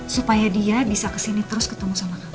supaya dia bisa kesini terus ketemu sama kamu